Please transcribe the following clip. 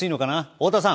太田さん。